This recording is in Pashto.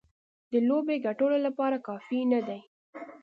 د لوبې ګټلو لپاره کافي نه دي.